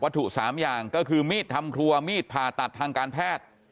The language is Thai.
ถูก๓อย่างก็คือมีดทำครัวมีดผ่าตัดทางการแพทย์